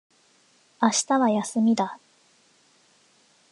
明日は休みだ。